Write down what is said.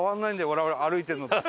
我々歩いてるのと。